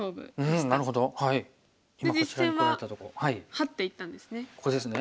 ハッていったんですね。